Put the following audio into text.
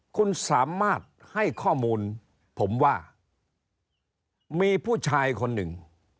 คุณสามารถให้ข้อมูลผมว่ามีผู้ชายคนหนึ่ง